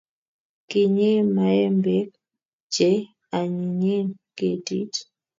Kinyei maembek che anyinyen ketit